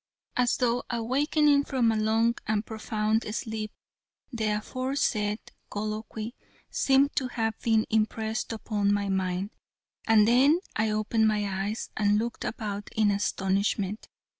As though awakening from a long and profound sleep the aforesaid colloquy seemed to have been impressed upon my mind, and then I opened my eyes and looked about in astonishment.